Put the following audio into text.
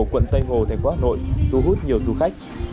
quận tây hồ thành phố hà nội thu hút nhiều du khách